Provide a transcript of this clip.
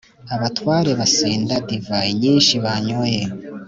abatware basinda divayi nyinshi banyoye,